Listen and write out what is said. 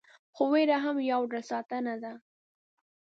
خو ویره هم یو ډول ساتنه ده.